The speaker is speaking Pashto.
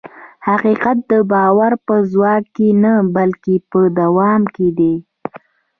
حقیقت د باور په ځواک کې نه، بلکې په دوام کې دی.